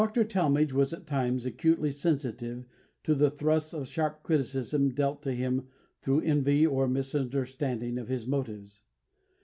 Dr. Talmage was at times acutely sensitive to the thrusts of sharp criticism dealt to him through envy or misunderstanding of his motives.